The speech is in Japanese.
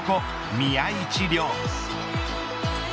宮市亮。